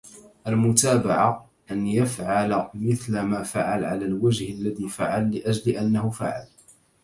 المتابعة.. أن يفعل مثل ما فعل، على الوجه الذي فعل، لأجل أنه فعل.